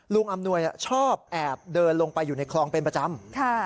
อำนวยชอบแอบเดินลงไปอยู่ในคลองเป็นประจำ